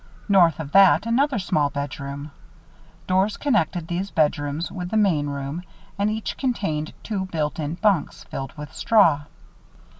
North of that another small bedroom. Doors connected these bedrooms with the main room and each contained two built in bunks, filled with straw.